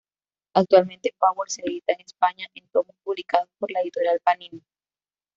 Actualmente, Powers se edita en España en tomos publicado por la Editorial Panini.